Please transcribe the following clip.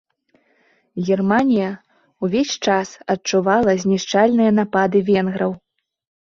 Германія ўвесь час адчувала знішчальныя напады венграў.